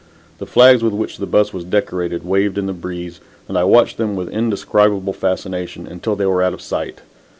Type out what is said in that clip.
The flags with which the "bus" was decorated waved in the breeze, and I watched them with indescribable fascination until they were out of sight.